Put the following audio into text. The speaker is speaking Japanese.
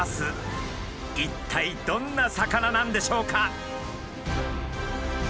一体どんな魚なんでしょうか？